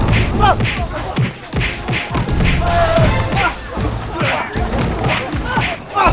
lebar semua lebar